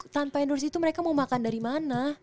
tanpa endorse itu mereka mau makan dari mana